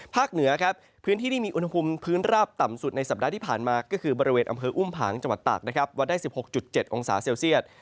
เหนือครับพื้นที่ที่มีอุณหภูมิพื้นราบต่ำสุดในสัปดาห์ที่ผ่านมาก็คือบริเวณอำเภออุ้มผางจังหวัดตากนะครับวัดได้๑๖๗องศาเซลเซียต